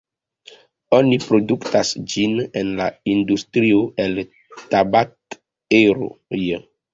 Oni produktas ĝin en la industrio el tabak-eroj.